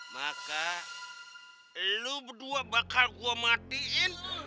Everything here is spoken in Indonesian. maka lu berdua bakal gue matiin